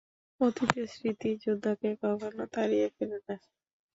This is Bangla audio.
অতীতের স্মৃতি যোদ্ধাকে কখনো তাড়িয়ে ফেরে না।